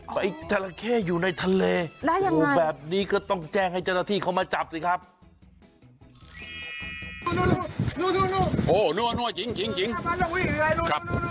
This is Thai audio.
แต่ไอ้จราเข้อยู่ในทะเลแบบนี้ก็ต้องแจ้งให้จรฐีเข้ามาจับสิครับ